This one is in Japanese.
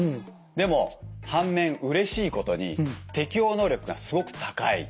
でも反面うれしいことに適応能力がすごく高い。